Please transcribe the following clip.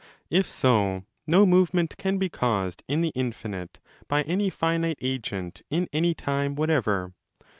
If so, 10 no movement can be caused in the infinite* by any finite agent in any time whatever.